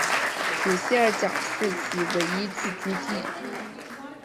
米歇尔角是其唯一聚居地。